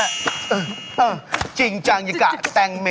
เออจริงจังอย่างกะแตงเม่